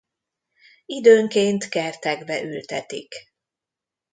Időnként kertekbe ültetik.